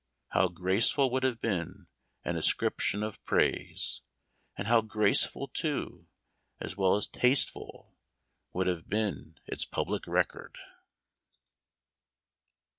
How graceful would have been an ascription of praise ! and how graceful, too, as well as taste ful, would have been its public record